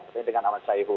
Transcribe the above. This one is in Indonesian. tapi dengan ahmad syaihu